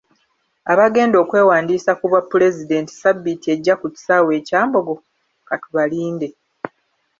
Abagenda okwewandiisa ku bwapulezidenti Ssabbiiti ejja ku kisaawe e Kyambogo katubalinde.